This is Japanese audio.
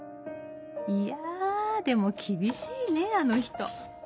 いやでも厳しいねあの人。